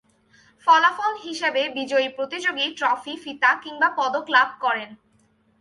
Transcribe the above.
ফলাফল হিসেবে বিজয়ী প্রতিযোগী ট্রফি, ফিতা কিংবা পদক লাভ করেন।